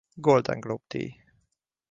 Golden Globe-díj